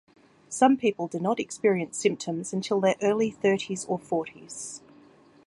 Some people do not experience symptoms until their early thirties or forties.